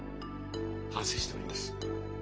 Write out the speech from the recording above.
反省しております。